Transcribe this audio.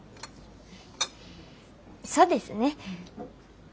そうですね。